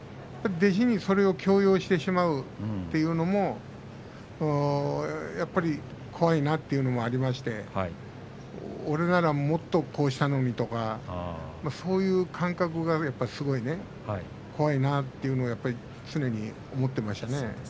弟子に、それを強要してしまうというのもやっぱり怖いなというのもありまして俺ならもっとこうしたのにとかそういう感覚がすごいね怖いなっていうのを常に思っていましたね。